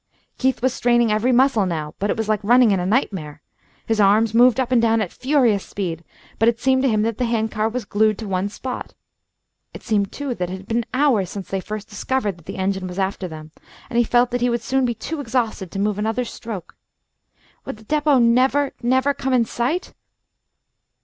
Keith was straining every muscle now, but it was like running in a nightmare. His arms moved up and down at a furious speed, but it seemed to him that the hand car was glued to one spot. It seemed, too, that it had been hours since they first discovered that the engine was after them, and he felt that he would soon be too exhausted to move another stroke. Would the depot never never come in sight?